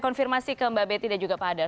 konfirmasi ke mbak betty dan juga pak hadar